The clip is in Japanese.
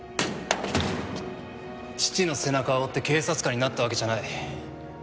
父の背中を追って警察官になったわけじゃない。